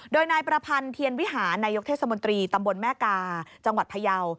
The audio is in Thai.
โดยนายประพันธ์เทียนวิหารนายกเทศมนตรีตำบลแม่กาจังหวัดพยาว